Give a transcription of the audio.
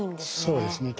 そうですね。